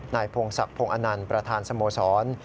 นายโพงศักดิ์โพงอนันต์ประธานสโมสร